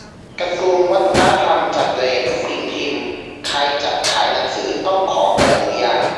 กระทรวงวัฒนธรรม 'จัดเรต' สิ่งพิมพ์ ใครจะขายหนังสือต้องขอใบอนุญาต